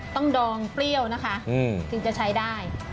ดองเปรี้ยวนะคะถึงจะใช้ได้